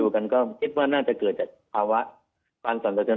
คิดว่าน่าจะเกิดจากภาวะความสนสัตย์เชิญ